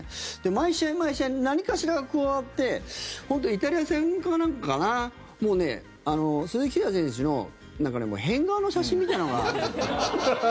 毎試合、毎試合何かしらこうやって本当に、イタリア戦かなんかかな鈴木誠也選手の変顔の写真みたいなのが。